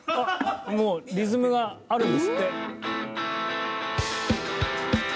もうリズムがあるんですって。